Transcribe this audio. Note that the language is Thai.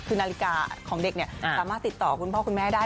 คือนาฬิกาของเด็กสามารถติดต่อคุณพ่อคุณแม่ได้